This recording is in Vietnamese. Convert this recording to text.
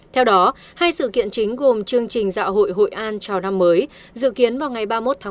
theo đó hai sự kiện chính gồm chương trình dạo hội hội an chào năm mới dự kiến vào ngày ba mươi một một mươi hai